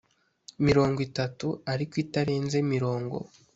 Mirongo itatu ariko itarenze mirongo